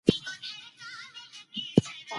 زه هر کار په صداقت سره کوم.